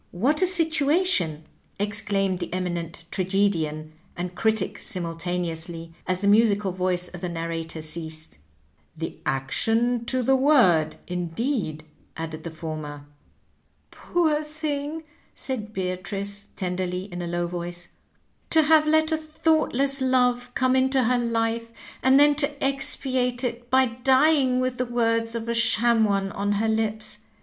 "*' What a situation I " exclaimed the Eminent Tragedian and the Critio simnltaneoQslj, as the musical voice of the narrator ceased. "* The action to the word,' indeed," added the former. " Poor thing I " said Beatrice tenderly, in a low voice ;" to have let a thoughtless love come into her life, and then to expiate it by dying with the words of a sham one on her lips.